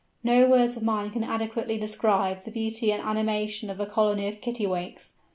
No words of mine can adequately describe the beauty and animation of a colony of Kittiwakes.